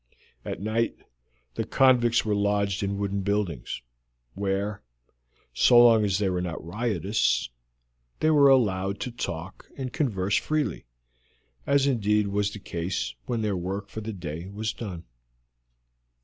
At night the convicts were lodged in wooden buildings, where, so long as they were not riotous, they were allowed to talk and converse freely, as indeed was the case when their work for the day was done.